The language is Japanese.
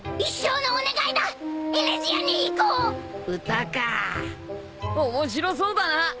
歌か面白そうだな！